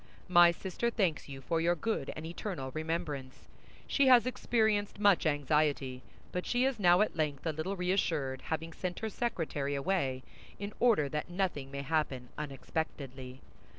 My sister thanks you for your good and eternal remembrance. She has experienced much anxiety; but she is now at length a little reassured, having sent her secretary away in order that nothing may happen unexpectedly.